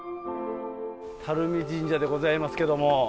垂水神社でございますけれども。